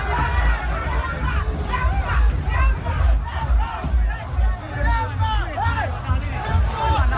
เยี่ยมกว่าว่าเกียรติ์ของเยี่ยมมาก